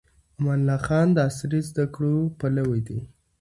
امان الله خان د عصري زده کړو پلوي و.